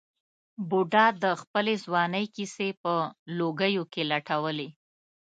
بوډا د خپلې ځوانۍ کیسې په لوګیو کې لټولې.